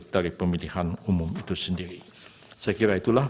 dari pemilihan umum itu sendiri saya kira itulah